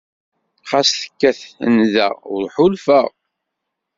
Xas tekkat nda, ur ḥulfeɣ.